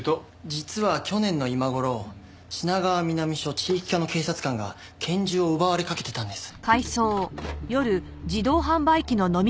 実は去年の今頃品川南署地域課の警察官が拳銃を奪われかけてたんです。